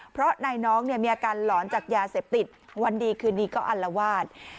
เพราะนายน้องเนี่ยมีอาการหลอนจากยาเสพติดวันดีคืนนี้ก็อัลวาด